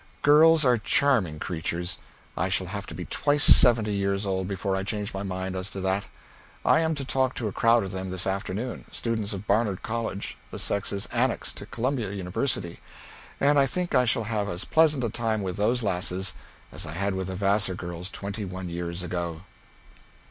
Girls are charming creatures. I shall have to be twice seventy years old before I change my mind as to that. I am to talk to a crowd of them this afternoon, students of Barnard College (the sex's annex to Columbia University), and I think I shall have as pleasant a time with those lasses as I had with the Vassar girls twenty one years ago.